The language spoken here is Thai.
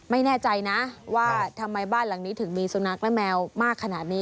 ไม่แน่ใจนะว่าทำไมบ้านหลังนี้ถึงมีสุนัขและแมวมากขนาดนี้